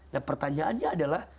dan pertanyaannya adalah